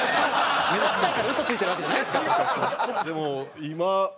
目立ちたいから嘘ついてるわけじゃないですから。